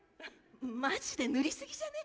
マジで塗りすぎじゃね？